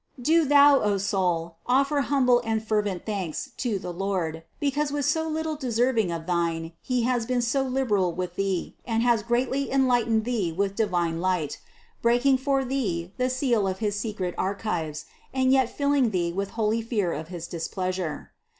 Do thou, O soul, offer humble and fervent thanks to the Lord, because with so little deserving of thine He has been so liberal with thee and has so greatly enlightened thee with divine light, breaking for thee the seal of his secret archives and yet filling thee with holy fear of his displeasure.